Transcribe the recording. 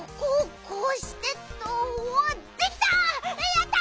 やった！